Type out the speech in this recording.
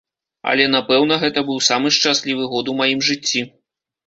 Але, напэўна, гэта быў самы шчаслівы год у маім жыцці.